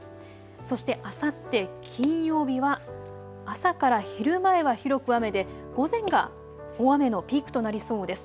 そしてあさって金曜日は朝から昼前は広く雨で午前が大雨のピークとなりそうです。